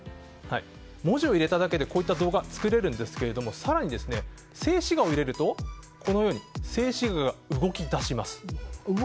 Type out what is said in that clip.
文字を入れただけでこういった動画が作れるんですが更に、静止画を入れると静止画が動き出します。